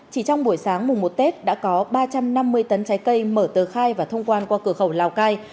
chỉ trong buổi sáng mùng một tết đã có ba trăm năm mươi tấn trái cây mở tờ khai và thông quan qua cửa khẩu lào cai